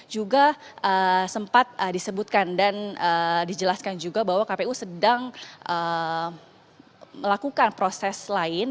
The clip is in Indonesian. juga sempat disebutkan dan dijelaskan juga bahwa kpu sedang melakukan proses lain